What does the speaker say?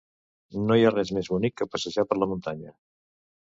No hi ha res més bonic que passejar per la muntanya.